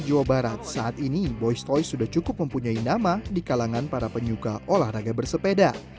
di jawa barat saat ini boys ⁇ toys sudah cukup mempunyai nama di kalangan para penyuka olahraga bersepeda